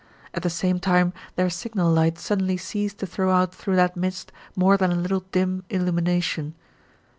At the same time their signal lights suddenly ceased to throw out through that mist more than a little dim illumination.